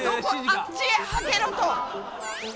あっちへはけろと。